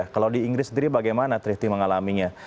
kalau di inggris sendiri bagaimana trifty mengalaminya